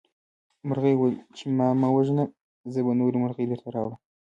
مرغۍ وویل چې ما مه وژنه زه به نورې مرغۍ درته راوړم.